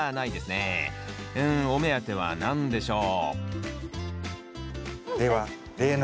うんお目当ては何でしょう？